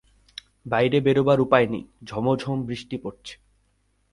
বাইরে বেরুবার উপায় নেই-ঝমোঝম করে বৃষ্টি পড়ছে।